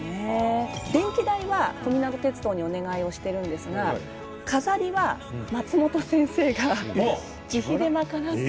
電気代は小湊鉄道にお願いをしてるんですが飾りは松本先生が自費で賄って。